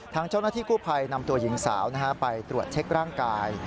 ทางเจ้าหน้าที่กู้ภัยนำตัวหญิงสาวไปตรวจเช็คร่างกาย